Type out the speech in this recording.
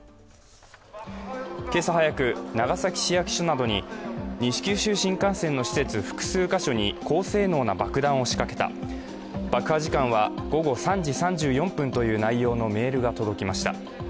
今朝早く、長崎市役所などに西九州新幹線の施設複数箇所に高性能な爆弾を仕掛けた、爆破時間は午後３時３４分という内容のメールが届きました。